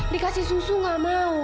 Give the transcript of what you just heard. dikasih susu gak mau